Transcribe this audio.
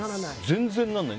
全然ならない。